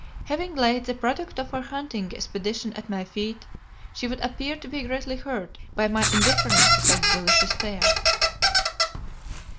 Having laid the product of her hunting expedition at my feet, she would appear to be greatly hurt by my indifference to such delicious fare."